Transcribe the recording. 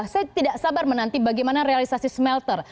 saya tidak sabar menanti bagaimana realisasi smelter